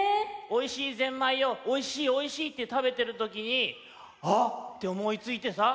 おいしいぜんまいを「おいしいおいしい」って食べてるときにあ！っておもいついてさ。